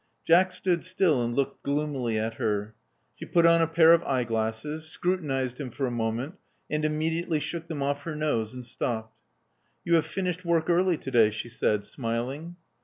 Jack stood still and looked^ gloomily at her. She put on a pair of eye glasses; scrutinized him for a moment ; and immediately shook them off her nose and stopped. "You have finished work early to day," she said, smiling.